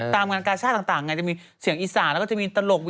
ตามงานกาชาติต่างจะมีเสียงอีสานแล้วก็จะมีตลก